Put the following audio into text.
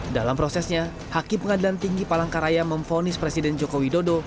dalam prosesnya hakim pengadilan tinggi palangkaraya memfonis presiden joko widodo